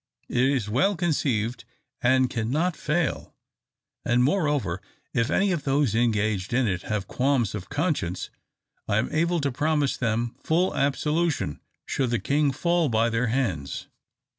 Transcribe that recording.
It is well conceived, and cannot fail; and, moreover, if any of those engaged in it have qualms of conscience, I am able to promise them full absolution, should the king fall by their hands."